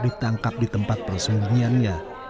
ditangkap di tempat persembunyiannya